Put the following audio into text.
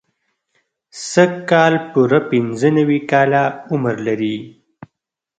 سږ کال پوره پنځه نوي کاله عمر لري.